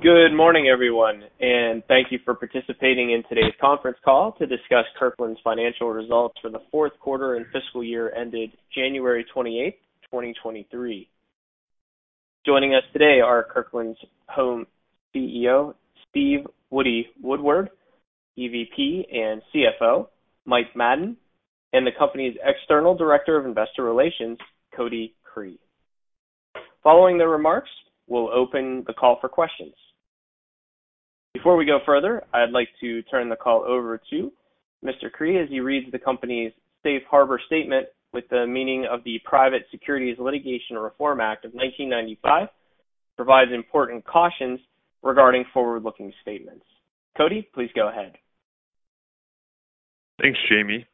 Good morning, everyone, thank you for participating in today's conference call to discuss Kirkland's financial results for the fourth quarter and fiscal year ended January 28, 2023. Joining us today are Kirkland's Home CEO, Steve Woody Woodward, EVP and CFO, Mike Madden, and the company's External Director of Investor Relations, Cody Cree. Following the remarks, we'll open the call for questions. Before we go further, I'd like to turn the call over to Mr. Cree as he reads the company's Safe Harbor statement with the meaning of the Private Securities Litigation Reform Act of 1995, provides important cautions regarding forward-looking statements. Cody, please go ahead. Thanks, Jamie.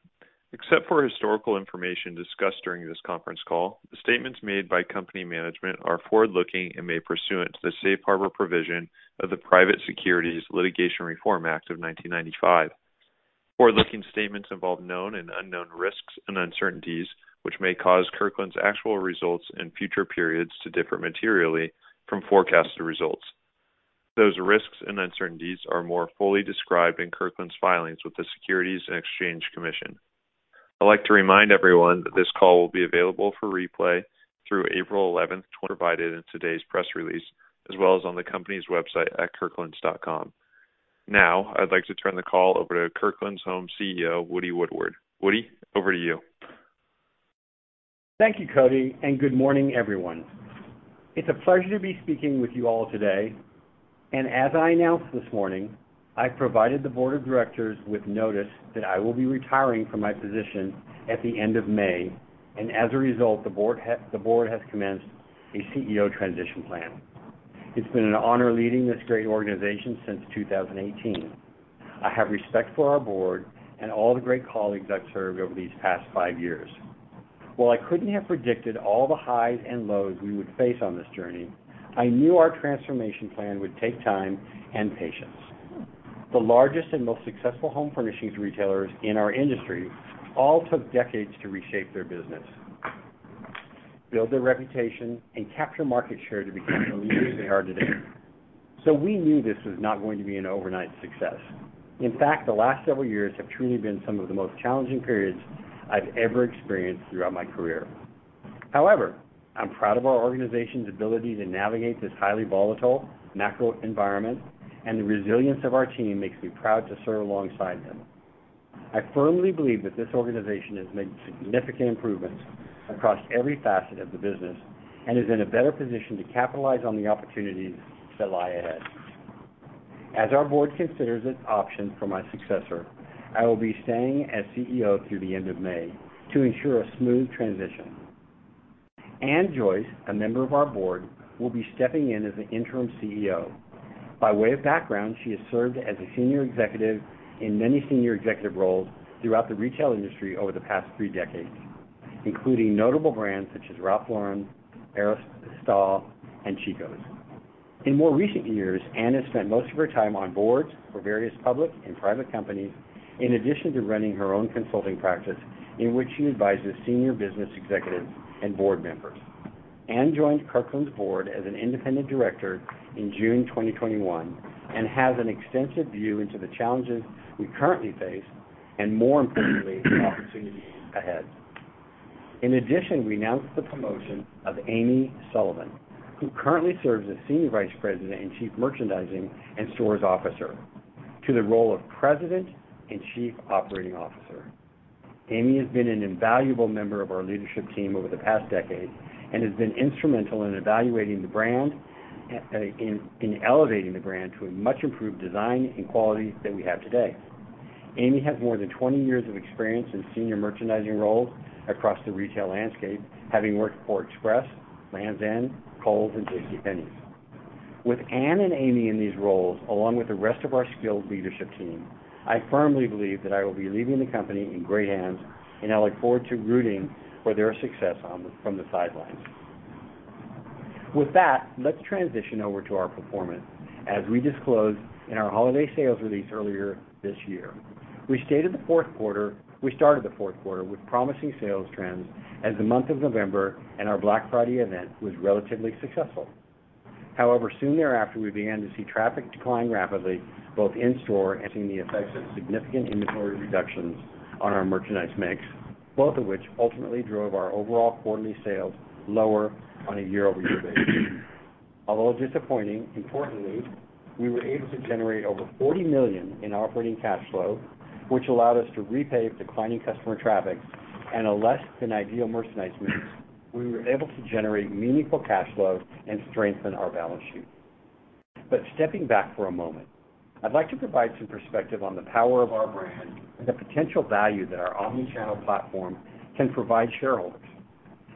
Except for historical information discussed during this conference call, the statements made by company management are forward-looking and made pursuant to the Safe Harbor provision of the Private Securities Litigation Reform Act of 1995. Forward-looking statements involve known and unknown risks and uncertainties, which may cause Kirkland's actual results in future periods to differ materially from forecasted results. Those risks and uncertainties are more fully described in Kirkland's filings with the Securities and Exchange Commission. I'd like to remind everyone that this call will be available for replay through April 11th, provided in today's press release, as well as on the company's website at kirklands.com. I'd like to turn the call over to Kirkland's Home CEO, Woody Woodward. Woody, over to you. Thank you, Cody. Good morning, everyone. It's a pleasure to be speaking with you all today. As I announced this morning, I've provided the board of directors with notice that I will be retiring from my position at the end of May, and as a result, the board has commenced a CEO transition plan. It's been an honor leading this great organization since 2018. I have respect for our board and all the great colleagues I've served over these past five years. While I couldn't have predicted all the highs and lows we would face on this journey, I knew our transformation plan would take time and patience. The largest and most successful home furnishings retailers in our industry all took decades to reshape their business, build their reputation, and capture market share to become the leaders they are today. We knew this was not going to be an overnight success. In fact, the last several years have truly been some of the most challenging periods I've ever experienced throughout my career. However, I'm proud of our organization's ability to navigate this highly volatile macro environment, and the resilience of our team makes me proud to serve alongside them. I firmly believe that this organization has made significant improvements across every facet of the business and is in a better position to capitalize on the opportunities that lie ahead. As our board considers its options for my successor, I will be staying as CEO through the end of May to ensure a smooth transition. Ann Joyce, a member of our board, will be stepping in as the interim CEO. By way of background, she has served as a senior executive in many senior executive roles throughout the retail industry over the past three decades, including notable brands such as Ralph Lauren, Aéropostale, and Chico's. In more recent years, Ann has spent most of her time on boards for various public and private companies, in addition to running her own consulting practice in which she advises senior business executives and board members. Ann joined Kirkland's board as an independent director in June 2021 and has an extensive view into the challenges we currently face and, more importantly, the opportunities ahead. In addition, we announced the promotion of Amy Sullivan, who currently serves as Senior Vice President and Chief Merchandising and Stores Officer, to the role of President and Chief Operating Officer. Amy has been an invaluable member of our leadership team over the past decade and has been instrumental in elevating the brand to a much improved design and quality than we have today. Amy has more than 20 years of experience in senior merchandising roles across the retail landscape, having worked for Express, Lands' End, Kohl's, and JCPenney. With Ann and Amy in these roles, along with the rest of our skilled leadership team, I firmly believe that I will be leaving the company in great hands, and I look forward to rooting for their success from the sidelines. With that, let's transition over to our performance. As we disclosed in our holiday sales release earlier this year, we started the fourth quarter with promising sales trends as the month of November and our Black Friday event was relatively successful. Soon thereafter, we began to see traffic decline rapidly, both in-store and seeing the effects of significant inventory reductions on our merchandise mix, both of which ultimately drove our overall quarterly sales lower on a year-over-year basis. Although disappointing, importantly, we were able to generate over $40 million in operating cash flow, which allowed us to repay declining customer traffic and a less than ideal merchandise mix. We were able to generate meaningful cash flow and strengthen our balance sheet. Stepping back for a moment, I'd like to provide some perspective on the power of our brand and the potential value that our omni-channel platform can provide shareholders.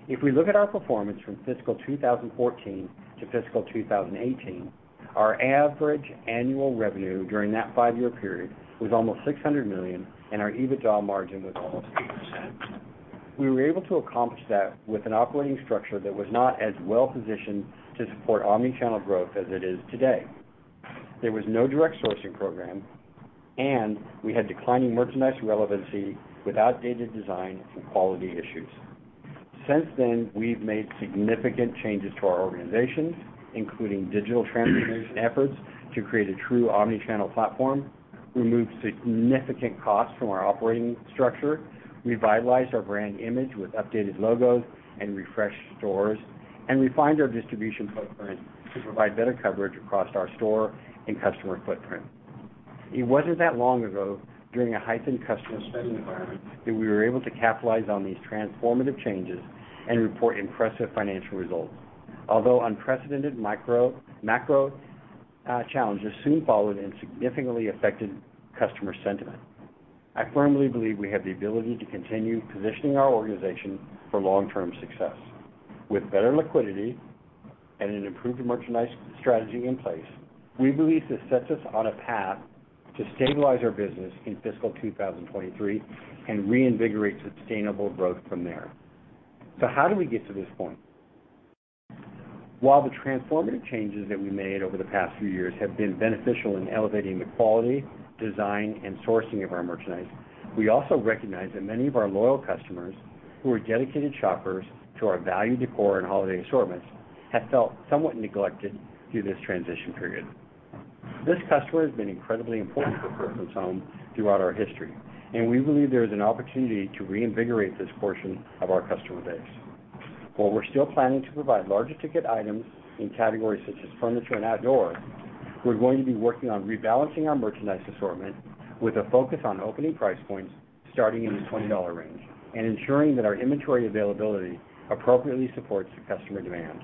If we look at our performance from fiscal 2014 to fiscal 2018, our average annual revenue during that five-year period was almost $600 million, and our EBITDA margin was almost 8%. We were able to accomplish that with an operating structure that was not as well-positioned to support omni-channel growth as it is today. There was no direct sourcing program, and we had declining merchandise relevancy with outdated design and quality issues. Since then, we've made significant changes to our organizations, including digital transformation efforts to create a true omni-channel platform, remove significant costs from our operating structure, revitalize our brand image with updated logos and refreshed stores, and refined our distribution footprint to provide better coverage across our store and customer footprint. It wasn't that long ago, during a heightened customer spending environment, that we were able to capitalize on these transformative changes and report impressive financial results. Although unprecedented macro challenges soon followed and significantly affected customer sentiment. I firmly believe we have the ability to continue positioning our organization for long-term success. With better liquidity and an improved merchandise strategy in place, we believe this sets us on a path to stabilize our business in fiscal 2023 and reinvigorate sustainable growth from there. How did we get to this point? While the transformative changes that we made over the past few years have been beneficial in elevating the quality, design, and sourcing of our merchandise, we also recognize that many of our loyal customers who are dedicated shoppers to our value decor and holiday assortments have felt somewhat neglected through this transition period. This customer has been incredibly important for Kirkland's Home throughout our history. We believe there is an opportunity to reinvigorate this portion of our customer base. While we're still planning to provide larger ticket items in categories such as furniture and outdoor, we're going to be working on rebalancing our merchandise assortment with a focus on opening price points starting in the $20 range and ensuring that our inventory availability appropriately supports the customer demand.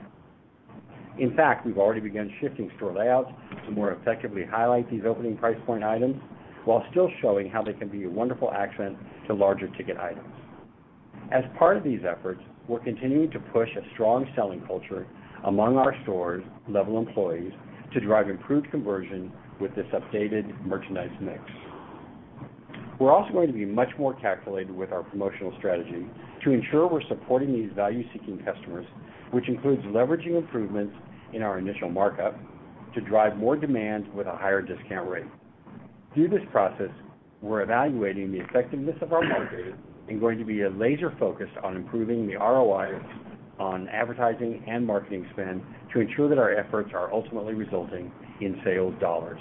In fact, we've already begun shifting store layouts to more effectively highlight these opening price point items while still showing how they can be a wonderful accent to larger ticket items. As part of these efforts, we're continuing to push a strong selling culture among our stores' level employees to drive improved conversion with this updated merchandise mix. We're also going to be much more calculated with our promotional strategy to ensure we're supporting these value-seeking customers, which includes leveraging improvements in our initial markup to drive more demand with a higher discount rate. Through this process, we're evaluating the effectiveness of our marketing and going to be laser-focused on improving the ROIs on advertising and marketing spend to ensure that our efforts are ultimately resulting in sales dollars.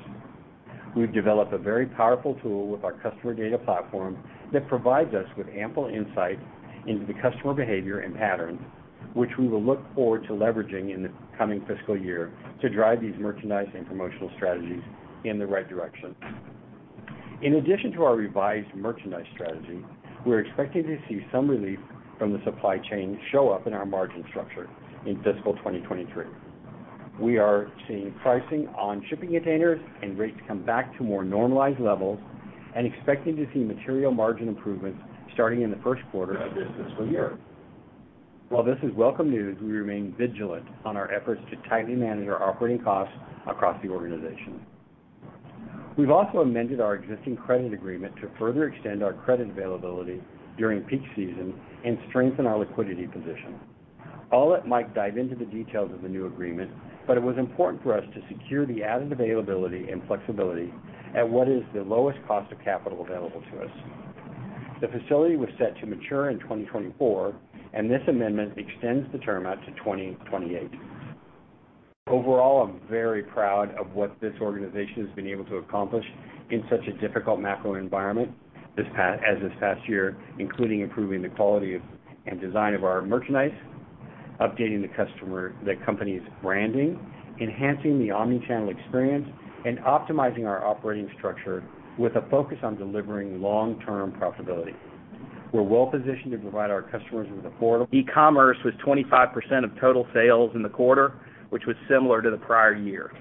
We've developed a very powerful tool with our customer data platform that provides us with ample insight into the customer behavior and patterns, which we will look forward to leveraging in the coming fiscal year to drive these merchandise and promotional strategies in the right direction. In addition to our revised merchandise strategy, we're expecting to see some relief from the supply chain show up in our margin structure in fiscal 2023. We are seeing pricing on shipping containers and rates come back to more normalized levels and expecting to see material margin improvements starting in the first quarter of this fiscal year. While this is welcome news, we remain vigilant on our efforts to tightly manage our operating costs across the organization. We've also amended our existing credit agreement to further extend our credit availability during peak season and strengthen our liquidity position. I'll let Mike dive into the details of the new agreement, but it was important for us to secure the added availability and flexibility at what is the lowest cost of capital available to us. The facility was set to mature in 2024, and this amendment extends the term out to 2028. Overall, I'm very proud of what this organization has been able to accomplish in such a difficult macro environment as this past year, including improving the quality of and design of our merchandise, updating the company's branding, enhancing the omni-channel experience, and optimizing our operating structure with a focus on delivering long-term profitability. We're well-positioned to provide our customers with affordable. E-commerce was 25% of total sales in the quarter, which was similar to the prior year.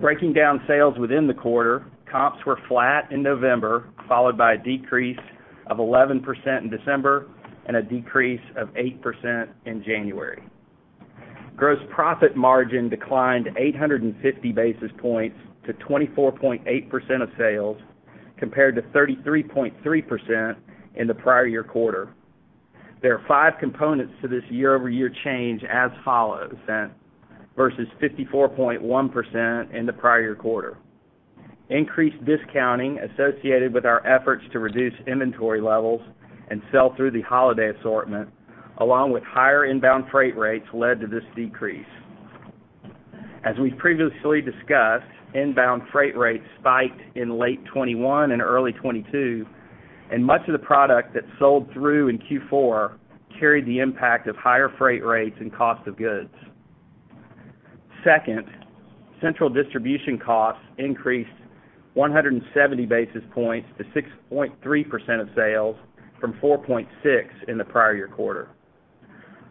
Breaking down sales within the quarter, comps were flat in November, followed by a decrease of 11% in December and a decrease of 8% in January. Gross profit margin declined 850 basis points to 24.8% of sales, compared to 33.3% in the prior year quarter. There are five components to this year-over-year change as follows: Sent versus 54.1% in the prior quarter. Increased discounting associated with our efforts to reduce inventory levels and sell through the holiday assortment, along with higher inbound freight rates, led to this decrease. We've previously discussed, inbound freight rates spiked in late 2021 and early 2022, and much of the product that sold through in Q4 carried the impact of higher freight rates and cost of goods. Second, central distribution costs increased 170 basis points to 6.3% of sales from 4.6% in the prior year quarter.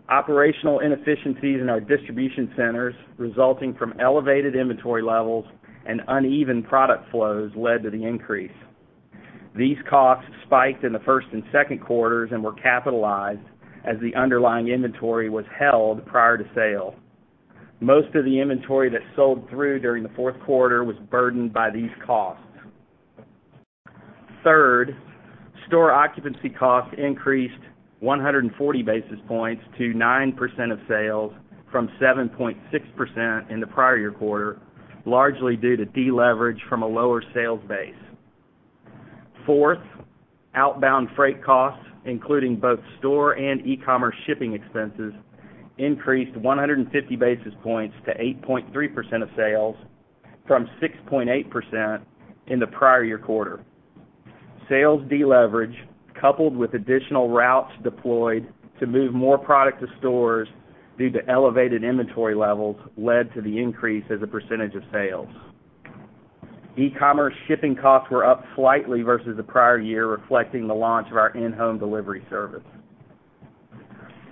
Operational inefficiencies in our distribution centers, resulting from elevated inventory levels and uneven product flows, led to the increase. These costs spiked in the first and second quarters and were capitalized as the underlying inventory was held prior to sale. Most of the inventory that sold through during the fourth quarter was burdened by these costs. Third, store occupancy costs increased 140 basis points to 9% of sales from 7.6% in the prior year quarter, largely due to deleverage from a lower sales base. Fourth, outbound freight costs, including both store and e-commerce shipping expenses, increased 150 basis points to 8.3% of sales from 6.8% in the prior year quarter. Sales deleverage, coupled with additional routes deployed to move more product to stores due to elevated inventory levels, led to the increase as a percentage of sales. E-commerce shipping costs were up slightly versus the prior year, reflecting the launch of our in-home delivery service.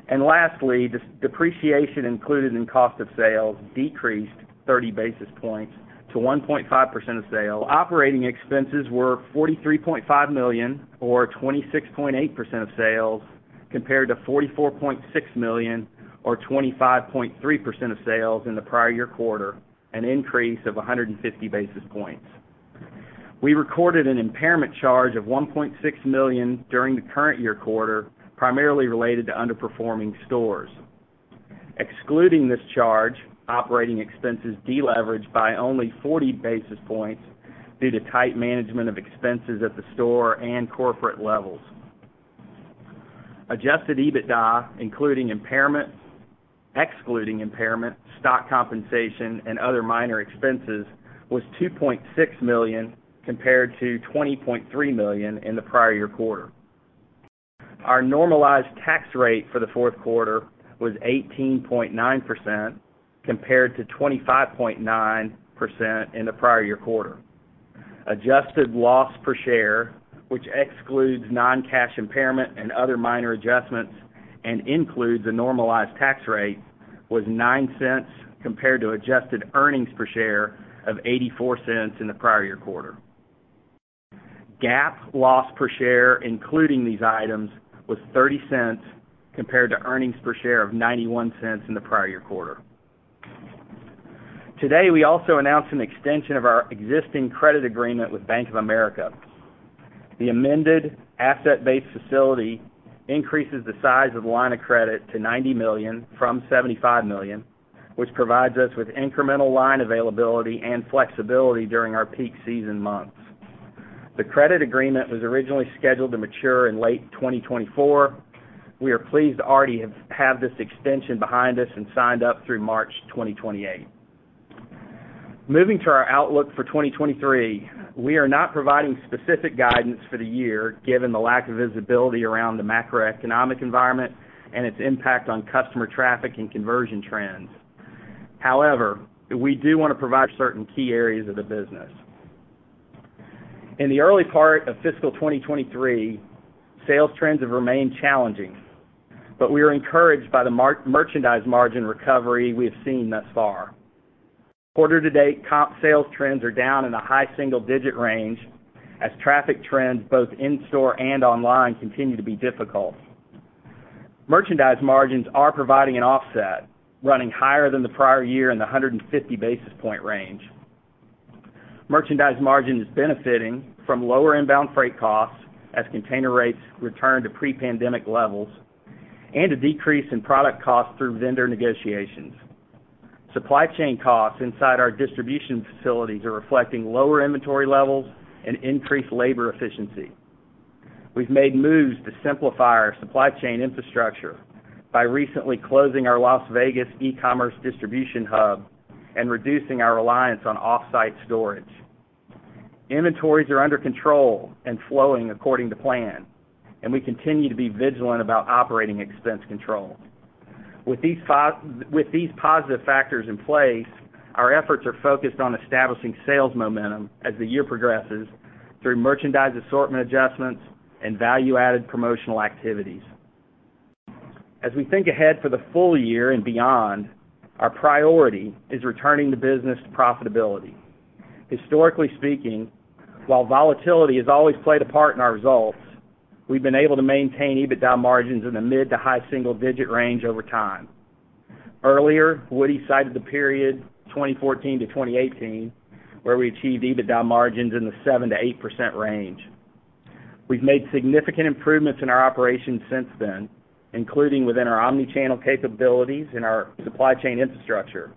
Lastly, this depreciation included in cost of sales decreased 30 basis points to 1.5% of sale. Operating expenses were $43.5 million or 26.8% of sales, compared to $44.6 million or 25.3% of sales in the prior year quarter, an increase of 150 basis points. We recorded an impairment charge of $1.6 million during the current year quarter, primarily related to underperforming stores. Excluding this charge, operating expenses deleveraged by only 40 basis points due to tight management of expenses at the store and corporate levels. Adjusted EBITDA, excluding impairment, stock compensation and other minor expenses was $2.6 million compared to $20.3 million in the prior year quarter. Our normalized tax rate for the fourth quarter was 18.9% compared to 25.9% in the prior year quarter. Adjusted loss per share, which excludes non-cash impairment and other minor adjustments and includes a normalized tax rate, was $0.09 compared to adjusted earnings per share of $0.84 in the prior year quarter. GAAP loss per share, including these items, was $0.30 compared to earnings per share of $0.91 in the prior year quarter. Today, we also announced an extension of our existing credit agreement with Bank of America. The amended asset-based facility increases the size of the line of credit to $90 million from $75 million, which provides us with incremental line availability and flexibility during our peak season months. The credit agreement was originally scheduled to mature in late 2024. We are pleased to already have this extension behind us and signed up through March 2028. Moving to our outlook for 2023, we are not providing specific guidance for the year given the lack of visibility around the macroeconomic environment and its impact on customer traffic and conversion trends. However, we do wanna provide certain key areas of the business. In the early part of fiscal 2023, sales trends have remained challenging, but we are encouraged by the merchandise margin recovery we have seen thus far. Quarter to date, comp sales trends are down in the high single-digit range as traffic trends, both in-store and online, continue to be difficult. Merchandise margins are providing an offset, running higher than the prior year in the 150 basis point range. Merchandise margin is benefiting from lower inbound freight costs as container rates return to pre-pandemic levels and a decrease in product costs through vendor negotiations. Supply chain costs inside our distribution facilities are reflecting lower inventory levels and increased labor efficiency. We've made moves to simplify our supply chain infrastructure by recently closing our Las Vegas e-commerce distribution hub and reducing our reliance on off-site storage. Inventories are under control and flowing according to plan, and we continue to be vigilant about operating expense controls. With these positive factors in place, our efforts are focused on establishing sales momentum as the year progresses through merchandise assortment adjustments and value-added promotional activities. As we think ahead for the full year and beyond, our priority is returning the business to profitability. Historically speaking, while volatility has always played a part in our results, we've been able to maintain EBITDA margins in the mid to high single-digit range over time. Earlier, Woody cited the period 2014-2018, where we achieved EBITDA margins in the 7%-8% range. We've made significant improvements in our operations since then, including within our omnichannel capabilities and our supply chain infrastructure.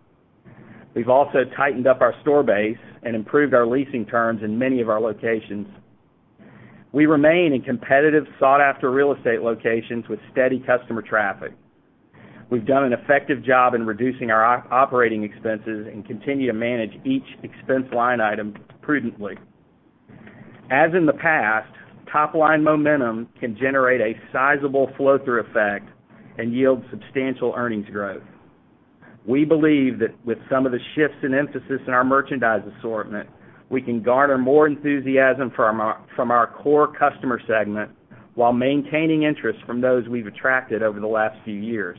We've also tightened up our store base and improved our leasing terms in many of our locations. We remain in competitive, sought-after real estate locations with steady customer traffic. We've done an effective job in reducing our operating expenses and continue to manage each expense line item prudently. As in the past, top-line momentum can generate a sizable flow-through effect and yield substantial earnings growth. We believe that with some of the shifts in emphasis in our merchandise assortment, we can garner more enthusiasm from our core customer segment while maintaining interest from those we've attracted over the last few years.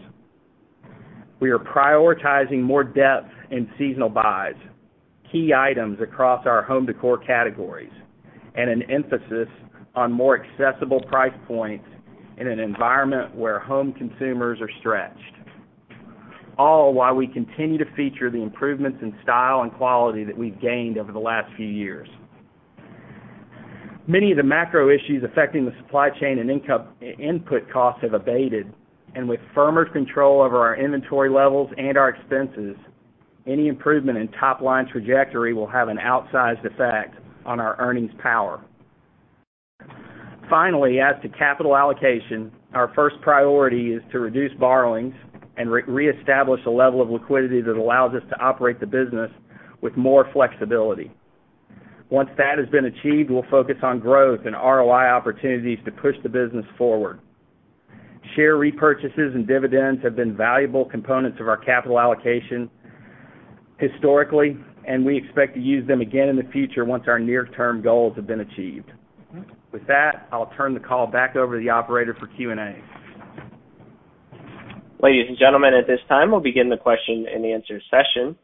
We are prioritizing more depth in seasonal buys, key items across our home décor categories, and an emphasis on more accessible price points in an environment where home consumers are stretched. All while we continue to feature the improvements in style and quality that we've gained over the last few years. Many of the macro issues affecting the supply chain and input costs have abated, and with firmer control over our inventory levels and our expenses, any improvement in top-line trajectory will have an outsized effect on our earnings power. Finally, as to capital allocation, our first priority is to reduce borrowings and reestablish a level of liquidity that allows us to operate the business with more flexibility. Once that has been achieved, we'll focus on growth and ROI opportunities to push the business forward. Share repurchases and dividends have been valuable components of our capital allocation historically, and we expect to use them again in the future once our near-term goals have been achieved. With that, I'll turn the call back over to the operator for Q&A. Ladies and gentlemen, at this time, we'll begin the question-and-answer session.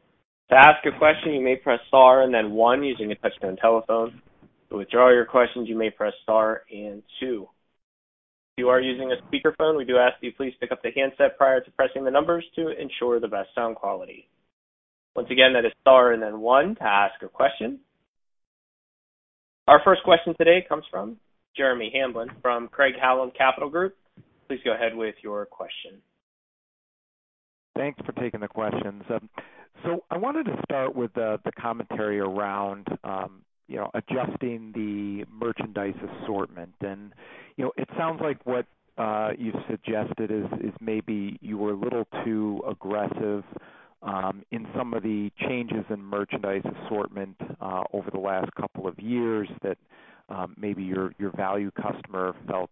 To ask a question, you may press star and then one using a touchtone telephone. To withdraw your questions, you may press star and two. If you are using a speakerphone, we do ask that you please pick up the handset prior to pressing the numbers to ensure the best sound quality. Once again, that is star and then one to ask a question. Our first question today comes from Jeremy Hamblin from Craig-Hallum Capital Group. Please go ahead with your question. Thanks for taking the questions. I wanted to start with the commentary around adjusting the merchandise assortment. It sounds like what you've suggested is maybe you were a little too aggressive in some of the changes in merchandise assortment over the last couple of years that maybe your value customer felt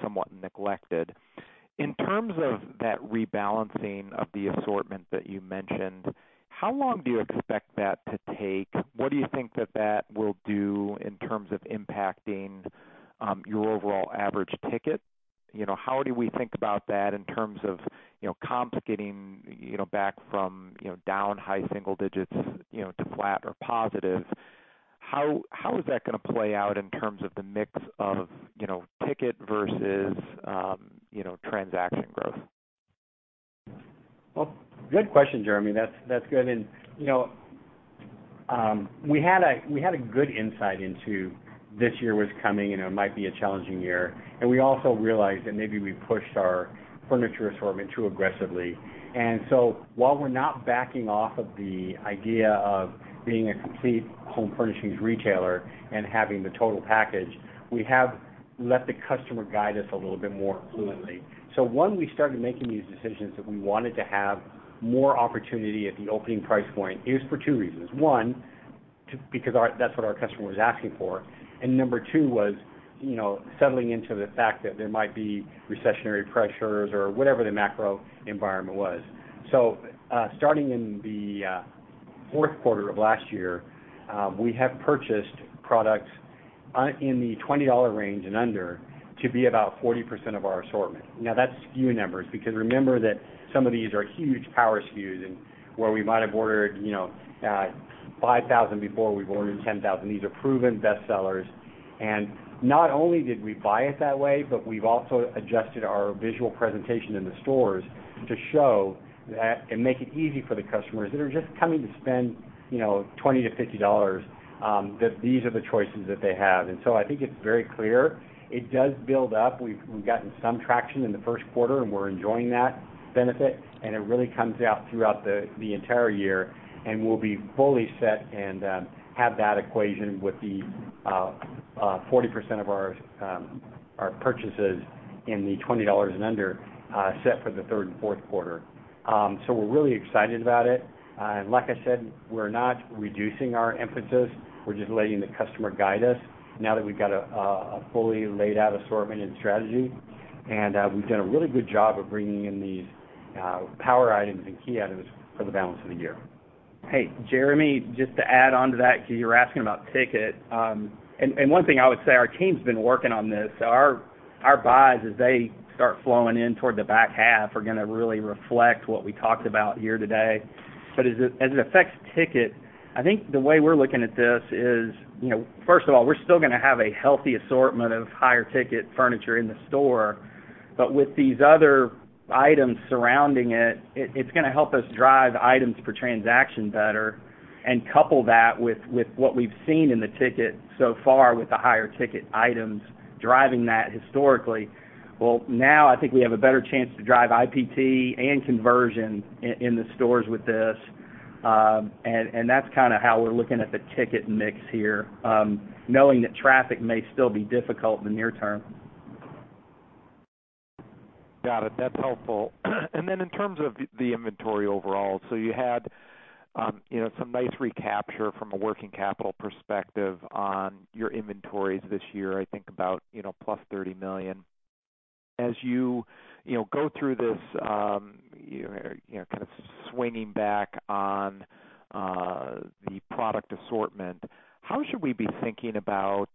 somewhat neglected. In terms of that rebalancing of the assortment that you mentioned, how long do you expect that to take? What do you think that that will do in terms of impacting your overall average ticket? How do we think about that in terms of comps getting back from down high single digits to flat or positive? How is that gonna play out in terms of the mix of, you know, ticket versus, you know, transaction growth? Well, good question, Jeremy. That's good. You know, we had a good insight into this year was coming, you know, it might be a challenging year. We also realized that maybe we pushed our furniture assortment too aggressively. While we're not backing off of the idea of being a complete home furnishings retailer and having the total package, we have let the customer guide us a little bit more fluently. One, we started making these decisions that we wanted to have more opportunity at the opening price point is for two reasons. One, because that's what our customer was asking for. Number 2 was, you know, settling into the fact that there might be recessionary pressures or whatever the macro environment was. Starting in the Q4 of last year, we have purchased products in the $20 range and under to be about 40% of our assortment. Now, that's SKU numbers, because remember that some of these are huge power SKUs and where we might have ordered, you know, 5,000 before, we've ordered 10,000. These are proven bestsellers. Not only did we buy it that way, but we've also adjusted our visual presentation in the stores to show that and make it easy for the customers that are just coming to spend, you know, $20-$50, that these are the choices that they have. I think it's very clear. It does build up. We've gotten some traction in the Q1, and we're enjoying that benefit. It really comes out throughout the entire year, and we'll be fully set and have that equation with the 40% of our purchases in the $20 and under set for the third and fourth quarter. We're really excited about it. Like I said, we're not reducing our emphasis. We're just letting the customer guide us now that we've got a fully laid out assortment and strategy. We've done a really good job of bringing in these power items and key items for the balance of the year. Hey, Jeremy, just to add on to that, because you're asking about ticket. And one thing I would say, our team's been working on this. Our buys as they start flowing in toward the back half are gonna really reflect what we talked about here today. As it affects ticket, I think the way we're looking at this is, you know, first of all, we're still gonna have a healthy assortment of higher-ticket furniture in the store. With these other items surrounding it's gonna help us drive items per transaction better and couple that with what we've seen in the ticket so far with the higher-ticket items driving that historically. Now I think we have a better chance to drive IPT and conversion in the stores with this. That's kinda how we're looking at the ticket mix here, knowing that traffic may still be difficult in the near term. Got it. That's helpful. In terms of the inventory overall, you had, you know, some nice recapture from a working capital perspective on your inventories this year, I think about, you know, +$30 million. As you know, go through this, you know, kind of swinging back on the product assortment, how should we be thinking about,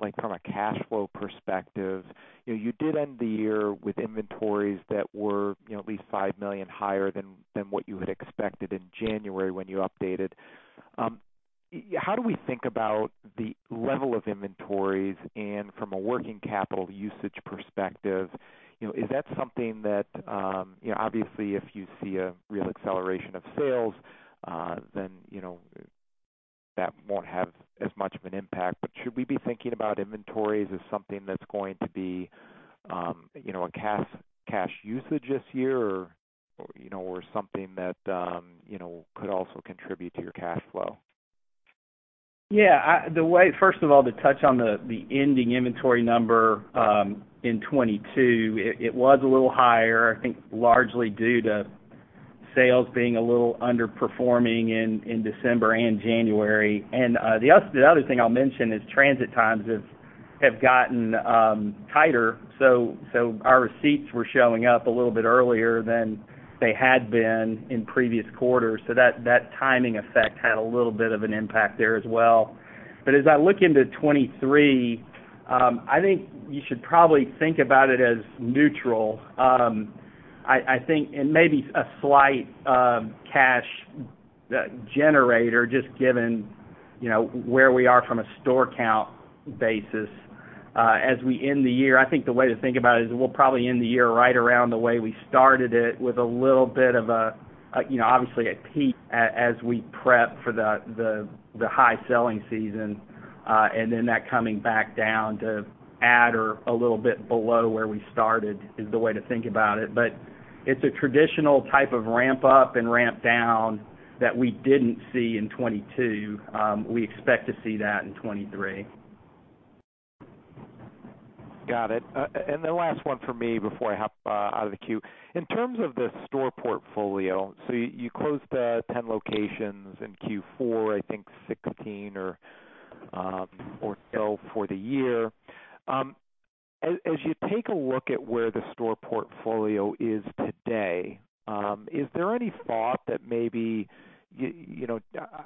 like from a cash flow perspective? You know, you did end the year with inventories that were, you know, at least $5 million higher than what you had expected in January when you updated. How do we think about the level of inventories and from a working capital usage perspective, you know, is that something that, you know, obviously, if you see a real acceleration of sales, then, you know, that won't have as much of an impact? Should we be thinking about inventories as something that's going to be, you know, a cash usage this year or, you know, or something that, you know, could also contribute to your cash flow? Yeah. First of all, to touch on the ending inventory number, in 2022, it was a little higher, I think largely due to sales being a little underperforming in December and January. The other thing I'll mention is transit times have gotten tighter, our receipts were showing up a little bit earlier than they had been in previous quarters. That timing effect had a little bit of an impact there as well. As I look into 2023, I think you should probably think about it as neutral. I think and maybe a slight cash generator just given, you know, where we are from a store count basis. As we end the year, I think the way to think about it is we'll probably end the year right around the way we started it with a little bit of a, you know, obviously, a peak as we prep for the high selling season, and then that coming back down to at or a little bit below where we started is the way to think about it. It's a traditional type of ramp up and ramp down that we didn't see in 2022. We expect to see that in 2023. Got it. The last one for me before I hop out of the queue. In terms of the store portfolio, so you closed 10 locations in Q4, I think 16 or so for the year. As you take a look at where the store portfolio is today, is there any thought that maybe, you know,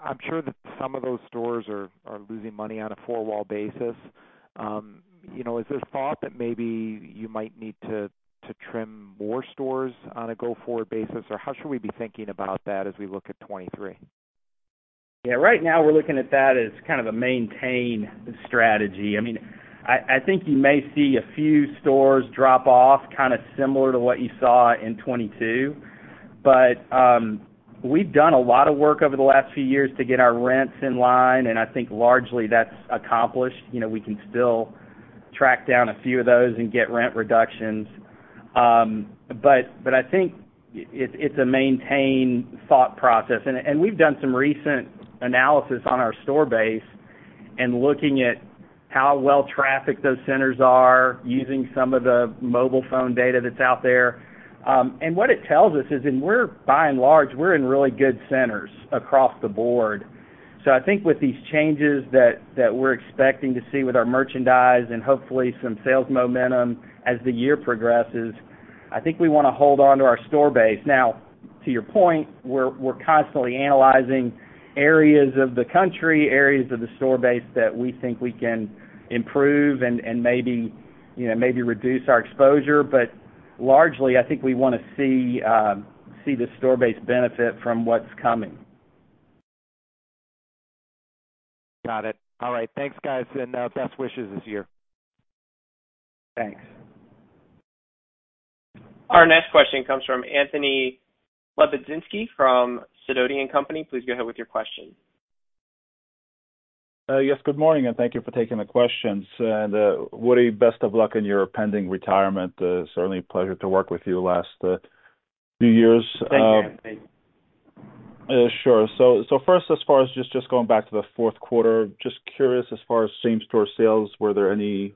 I'm sure that some of those stores are losing money on a four-wall basis. You know, is there thought that maybe you might need to trim more stores on a go-forward basis, or how should we be thinking about that as we look at 2023? Yeah. Right now we're looking at that as kind of a maintain strategy. I mean, I think you may see a few stores drop off, kind of similar to what you saw in 2022. We've done a lot of work over the last few years to get our rents in line, and I think largely that's accomplished. You know, we can still track down a few of those and get rent reductions. I think it's a maintain thought process. We've done some recent analysis on our store base and looking at how well trafficked those centers are using some of the mobile phone data that's out there. What it tells us is we're by and large in really good centers across the board. I think with these changes that we're expecting to see with our merchandise and hopefully some sales momentum as the year progresses, I think we wanna hold on to our store base. Now, to your point, we're constantly analyzing areas of the country, areas of the store base that we think we can improve and maybe, you know, maybe reduce our exposure. Largely, I think we wanna see the store base benefit from what's coming. Got it. All right. Thanks, guys. Best wishes this year. Thanks. Our next question comes from Anthony Lebiedzinski from Sidoti & Company. Please go ahead with your question. Yes, good morning, and thank you for taking the questions. Woody, best of luck in your pending retirement. Certainly a pleasure to work with you the last, few years. Thank you, Anthony. Sure. First, as far as just going back to the fourth quarter, just curious, as far as same-store sales, were there any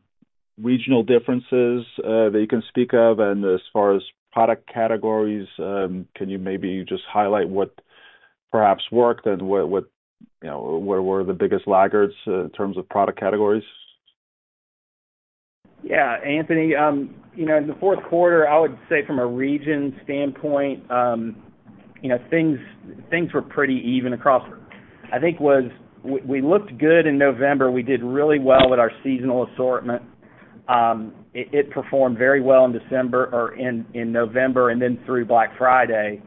regional differences, that you can speak of? As far as product categories, can you maybe just highlight what perhaps worked and what, you know, where were the biggest laggards in terms of product categories? Yeah. Anthony, you know, in the fourth quarter, I would say from a region standpoint, you know, things were pretty even across. I think we looked good in November. We did really well with our seasonal assortment. It performed very well in December or in November and then through Black Friday.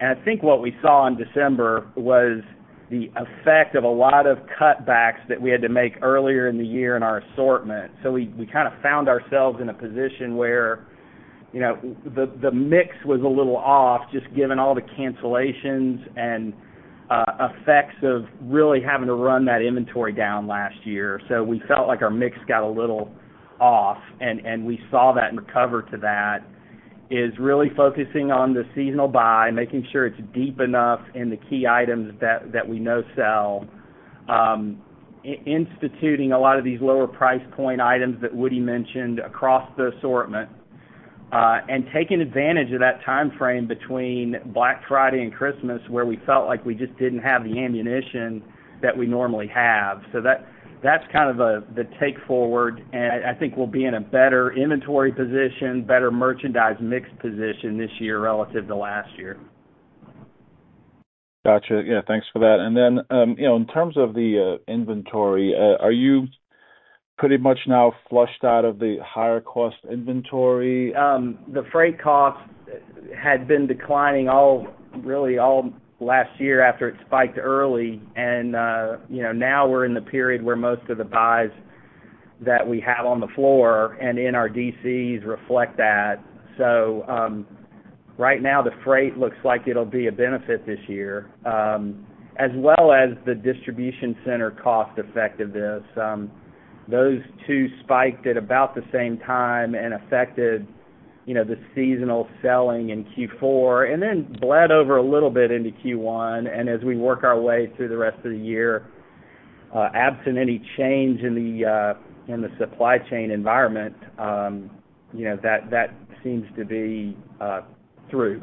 I think what we saw in December was the effect of a lot of cutbacks that we had to make earlier in the year in our assortment. We kind of found ourselves in a position where, you know, the mix was a little off, just given all the cancellations and effects of really having to run that inventory down last year. We felt like our mix got a little off and we saw that and recover to that is really focusing on the seasonal buy, making sure it's deep enough in the key items that we know sell, instituting a lot of these lower price point items that Woody mentioned across the assortment, and taking advantage of that timeframe between Black Friday and Christmas, where we felt like we just didn't have the ammunition that we normally have. That's kind of the take forward, and I think we'll be in a better inventory position, better merchandise mix position this year relative to last year. Gotcha. Yeah, thanks for that. You know, in terms of the inventory, Pretty much now flushed out of the higher cost inventory? The freight cost had been declining all, really all last year after it spiked early. You know, now we're in the period where most of the buys that we have on the floor and in our DCs reflect that. Right now the freight looks like it'll be a benefit this year, as well as the distribution center cost effectiveness. Those two spiked at about the same time and affected, you know, the seasonal selling in Q4, and then bled over a little bit into Q1. As we work our way through the rest of the year, absent any change in the, in the supply chain environment, you know, that seems to be through.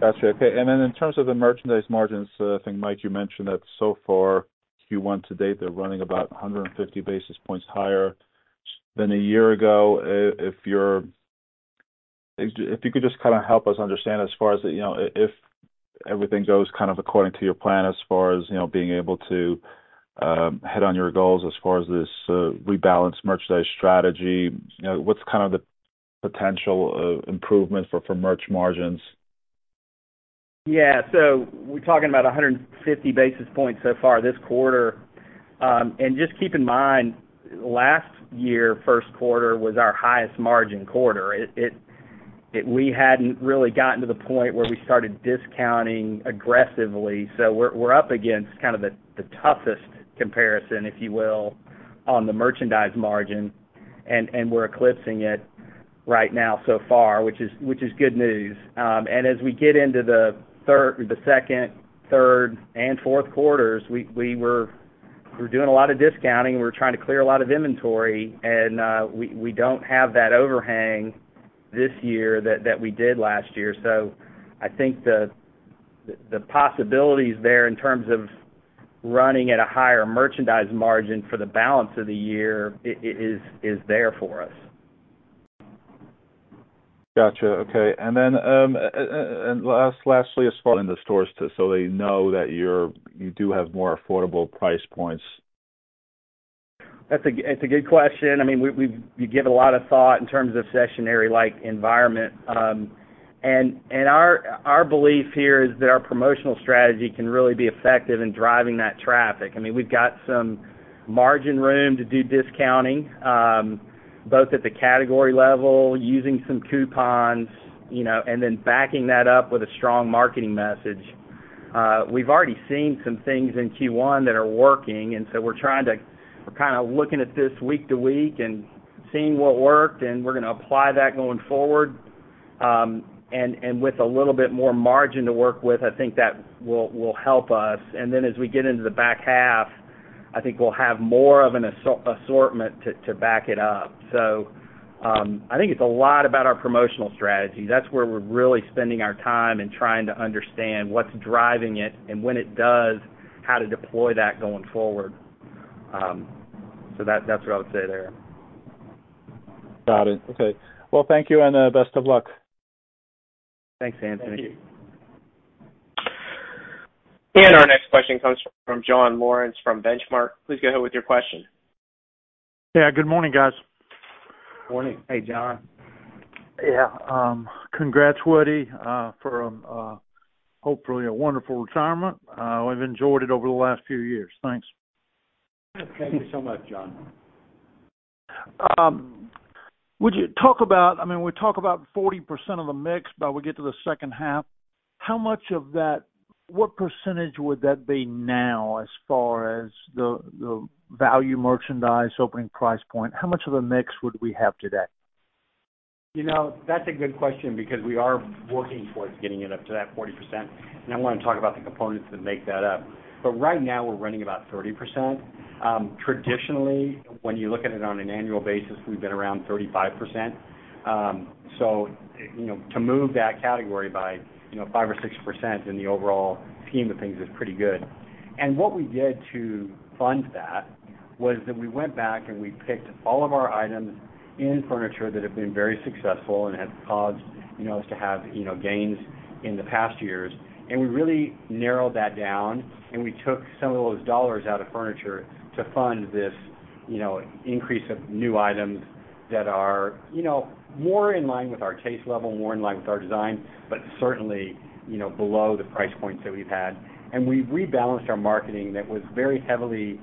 Got you. Okay. In terms of the merchandise margins, I think, Mike, you mentioned that so far Q1 to date, they're running about 150 basis points higher than a year ago. If you could just kind of help us understand, as far as, you know, if everything goes kind of according to your plan as far as, you know, being able to hit on your goals as far as this rebalance merchandise strategy, you know, what's kind of the potential improvement for merch margins? We're talking about 150 basis points so far this quarter. Just keep in mind, last year, first quarter was our highest margin quarter. We hadn't really gotten to the point where we started discounting aggressively. We're up against kind of the toughest comparison, if you will, on the merchandise margin, and we're eclipsing it right now so far, which is good news. As we get into the second, third, and fourth quarters, we were doing a lot of discounting. We were trying to clear a lot of inventory, we don't have that overhang this year that we did last year. I think the possibilities there in terms of running at a higher merchandise margin for the balance of the year is there for us. Got you. Okay. last, lastly, as far in the stores too, so they know that you do have more affordable price points. That's a good question. I mean, we've give it a lot of thought in terms of recessionary-like environment. Our belief here is that our promotional strategy can really be effective in driving that traffic. I mean, we've got some margin room to do discounting, both at the category level using some coupons, you know, then backing that up with a strong marketing message. We've already seen some things in Q1 that are working, we're kind of looking at this week-to-week and seeing what worked, we're gonna apply that going forward. With a little bit more margin to work with, I think that will help us. As we get into the back half, I think we'll have more of an assortment to back it up. I think it's a lot about our promotional strategy. That's where we're really spending our time and trying to understand what's driving it and when it does, how to deploy that going forward. That's what I would say there. Got it. Okay. Well, thank you, and best of luck. Thanks, Anthony. Thank you. Our next question comes from John Lawrence from Benchmark. Please go ahead with your question. Yeah. Good morning, guys. Morning. Hey, John. Yeah. congrats, Woody, from, hopefully a wonderful retirement. we've enjoyed it over the last few years. Thanks. Thank you so much, John. Would you talk about, I mean, we talk about 40% of the mix by we get to the second half? How much of that, what percentage would that be now as far as the value merchandise opening price point? How much of a mix would we have today? You know, that's a good question because we are working towards getting it up to that 40%, and I wanna talk about the components that make that up. Right now, we're running about 30%. Traditionally, when you look at it on an annual basis, we've been around 35%. You know, to move that category by, you know, 5% or 6% in the overall scheme of things is pretty good. What we did to fund that was that we went back and we picked all of our items in furniture that have been very successful and had caused, you know, us to have, you know, gains in the past years. We really narrowed that down, and we took some of those dollars out of furniture to fund this, you know, increase of new items that are, you know, more in line with our taste level, more in line with our design, but certainly, you know, below the price points that we've had. We rebalanced our marketing that was very heavily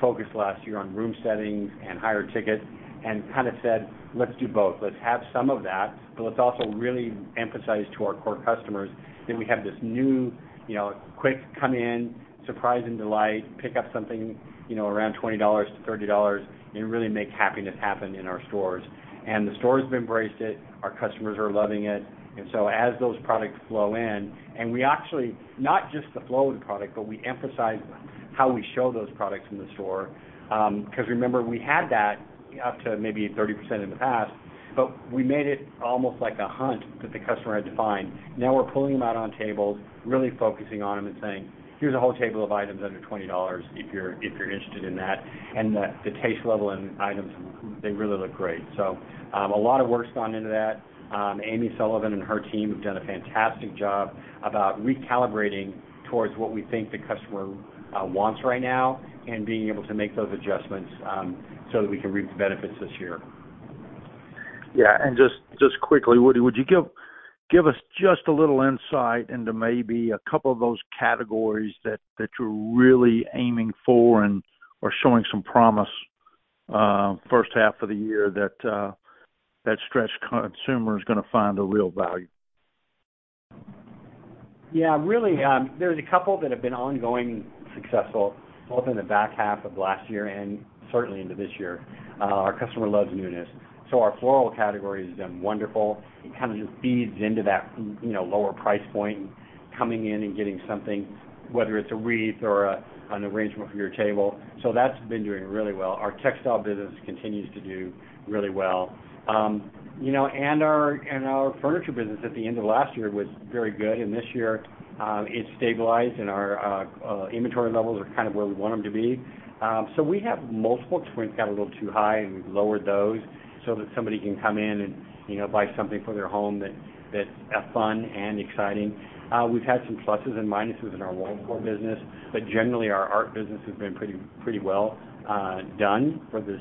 focused last year on room settings and higher ticket and kind of said, "Let's do both. Let's have some of that, but let's also really emphasize to our core customers that we have this new, you know, quick come in, surprise and delight, pick up something, you know, around $20-$30, and really make happiness happen in our stores." The stores have embraced it. Our customers are loving it. As those products flow in... We actually, not just the flow of the product, but we emphasize how we show those products in the store. Because remember, we had that up to maybe 30% in the past, but we made it almost like a hunt that the customer had to find. Now we're pulling them out on tables, really focusing on them and saying, "Here's a whole table of items under $20 if you're interested in that." The, the taste level and items, they really look great. A lot of work's gone into that. Amy Sullivan and her team have done a fantastic job about recalibrating towards what we think the customer wants right now and being able to make those adjustments so that we can reap the benefits this year. Yeah. Just quickly, would you give us just a little insight into maybe a couple of those categories that you're really aiming for and are showing some promise, first half of the year that stretched consumer is gonna find a real value? Yeah. Really, there's a couple that have been ongoing successful, both in the back half of last year and certainly into this year. Our customer loves newness. Our floral category has done wonderful. It kind of just feeds into that, you know, lower price point and coming in and getting something, whether it's a wreath or an arrangement for your table. That's been doing really well. Our textile business continues to do really well. You know, our furniture business at the end of last year was very good. This year, it stabilized and our inventory levels are kind of where we want them to be. We have multiple got a little too high, and we've lowered those so that somebody can come in and, you know, buy something for their home that's fun and exciting. We've had some pluses and minuses in our wall decor business, but generally, our art business has been pretty well done for this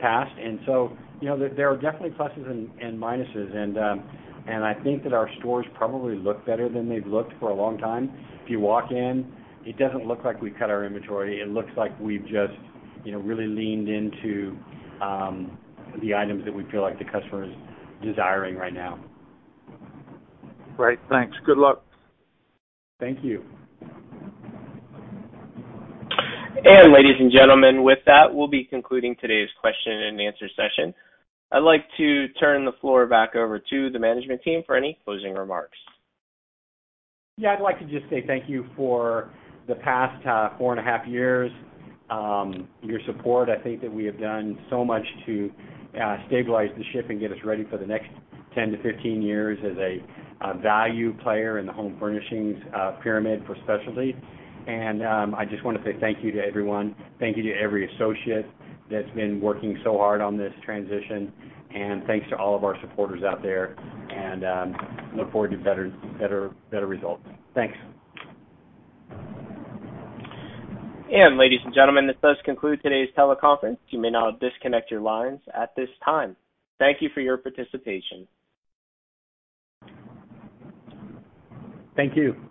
past. You know, there are definitely pluses and minuses. I think that our stores probably look better than they've looked for a long time. If you walk in, it doesn't look like we've cut our inventory. It looks like we've just, you know, really leaned into the items that we feel like the customer is desiring right now. Great. Thanks. Good luck. Thank you. Ladies and gentlemen, with that, we'll be concluding today's question-and-answer session. I'd like to turn the floor back over to the management team for any closing remarks. Yeah, I'd like to just say thank you for the past, 4.5 years, your support. I think that we have done so much to stabilize the ship and get us ready for the next 10-15 years as a value player in the home furnishings pyramid for specialty. I just wanna say thank you to everyone. Thank you to every associate that's been working so hard on this transition. Thanks to all of our supporters out there and look forward to better, better results. Thanks. Ladies and gentlemen, this does conclude today's teleconference. You may now disconnect your lines at this time. Thank you for your participation. Thank you.